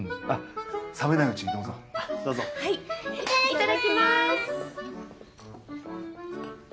いただきます。